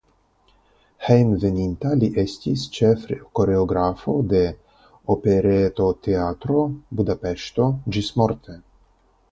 Hejmenveninta li estis ĉefkoreografo de Operetoteatro (Budapeŝto) ĝismorte.